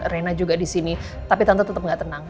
rena juga di sini tapi tante tetap gak tenang